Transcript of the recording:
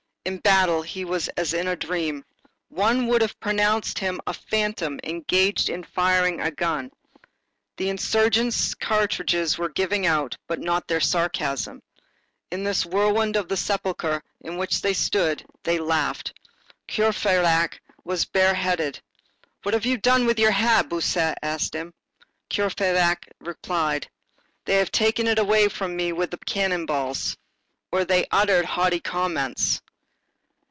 In battle he was as in a dream. One would have pronounced him a phantom engaged in firing a gun. The insurgents' cartridges were giving out; but not their sarcasms. In this whirlwind of the sepulchre in which they stood, they laughed. Courfeyrac was bareheaded. "What have you done with your hat?" Bossuet asked him. Courfeyrac replied: "They have finally taken it away from me with cannon balls." Or they uttered haughty comments.